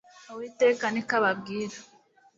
uwiteka niko ababwira